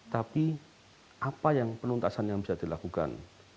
tapi apa yang penuntasan yang bisa dilakukan